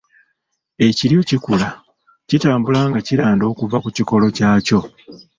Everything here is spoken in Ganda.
Ekiryo kikula "kitambula" nga kiranda okuva ku kikolo kyakyo.